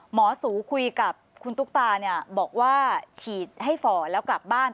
สูคุยกับคุณตุ๊กตาเนี่ยบอกว่าฉีดให้ฝ่อแล้วกลับบ้าน